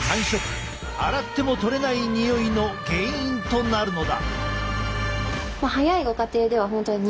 洗っても取れないにおいの原因となるのだ。